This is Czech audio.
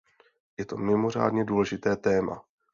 Je to mimořádně důležité téma.